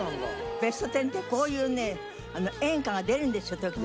『ベストテン』ってこういうね演歌が出るんですよ時々。